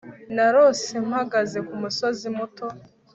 Narose mpagaze kumusozi muto